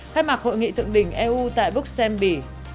khai mạc hội nghị thượng đỉnh eu tại bruxelles bỉ